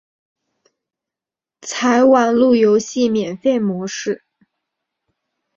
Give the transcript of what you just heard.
采网路游戏免费模式。